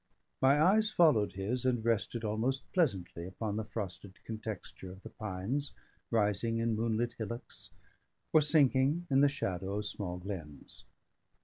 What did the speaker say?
My eyes followed his, and rested almost pleasantly upon the frosted contexture of the pines, rising in moonlit hillocks, or sinking in the shadow of small glens.